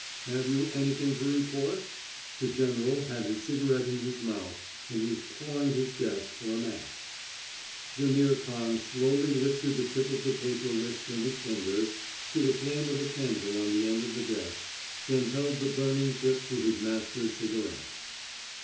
"Have you anything to report?" The general had his cigarette in his mouth and was pawing his desk for a match. Jaimihr Khan slowly lifted the tip of the paper wisp in his fingers to the flame of a candle on the end of the desk, then held the burning tip to his master's cigarette. [Illustration: Jaimihr Khan held the tip to his master's cigarette.